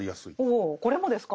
おおこれもですか？